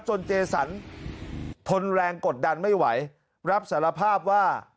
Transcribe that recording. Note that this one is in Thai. เจสันทนแรงกดดันไม่ไหวรับสารภาพว่า